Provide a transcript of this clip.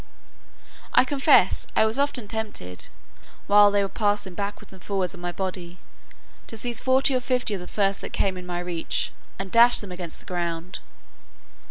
I confess I was often tempted, while they were passing backwards and forwards on my body, to seize forty or fifty of the first that came in my reach, and dash them against the ground.